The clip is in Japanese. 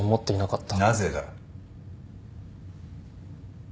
なぜだ？